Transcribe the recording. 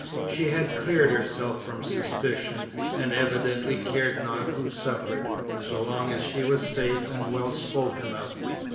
She had cleared herself from suspicion, and evidently cared not who suffered, so long as she was safe and well spoken of.